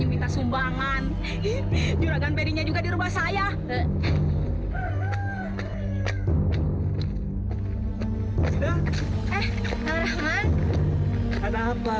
minta sumbangan juragan berinya juga di rumah saya